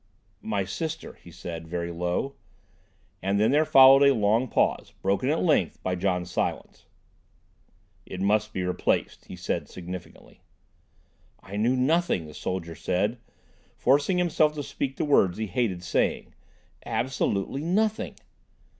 "My sister," he said, very low. And then there followed a long pause, broken at length by John Silence. "It must be replaced," he said significantly. "I knew nothing," the soldier said, forcing himself to speak the words he hated saying. "Absolutely nothing."